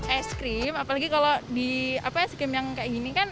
es krim apalagi kalau di es krim yang kayak gini kan